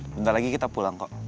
sebentar lagi kita pulang kok